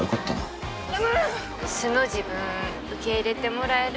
素の自分受け入れてもらえるって自信ある？